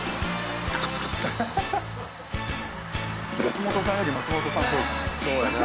松本さんより松本さんっぽいですね。